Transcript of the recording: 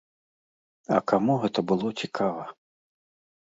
А каму гэта было цікава?